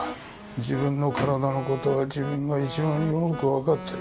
自分の体のことは自分がいちばんよくわかってる。